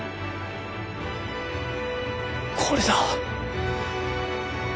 これだ。